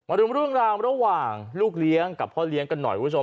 รุมเรื่องราวระหว่างลูกเลี้ยงกับพ่อเลี้ยงกันหน่อยคุณผู้ชม